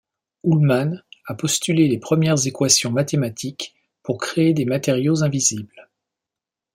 Uhlmann a postulé les premières équations mathématiques pour créer des matériaux invisibles.